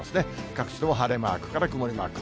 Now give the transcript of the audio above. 各地とも晴れマークから曇りマーク。